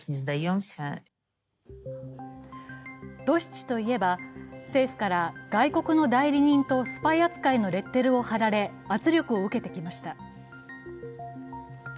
ドシチといえば、政府から外国の代理人とスパイ扱いのレッテルを貼られ圧力を受けてきました。